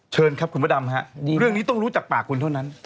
เชิญครับคุณพระดำฮะเรื่องนี้ต้องรู้จากปากคุณเท่านั้น